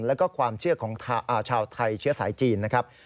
แล้วก็ความเชื่อของชาวไทยเชื้อสายจีนนะครับ